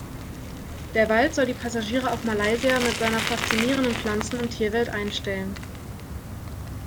Der Wald soll die Passagiere auf Malaysia mit seiner faszinierenden Pflanzen- und Tierwelt einstellen.